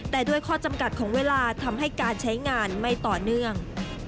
แต่ด้วยข้อจำกัดของเวลาทำให้การใช้งานไม่ต่อเนื่อง